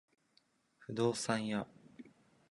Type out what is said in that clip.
不動産屋